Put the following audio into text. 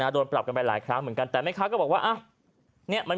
โดนปรับกันไปหลายครั้งเหมือนกัน